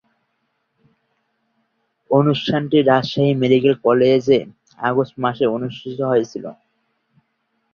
অনুষ্ঠানটি রাজশাহী মেডিকেল কলেজে আগস্ট মাসে অনুষ্ঠিত হয়েছিলো।